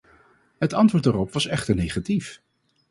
Het antwoord daarop was echter negatief.